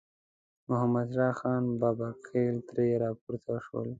محمد شاه خان بابکرخېل ترې راپورته شول.